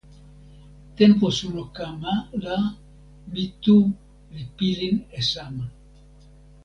tenpo suno kama la mi tu li pilin e sama.